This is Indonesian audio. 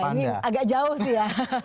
ini agak jauh sih ya